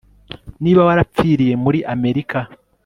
niba warapfiriye muri amerika